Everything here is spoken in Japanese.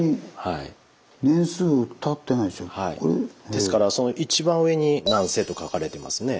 ですからその一番上に何世と書かれてますね。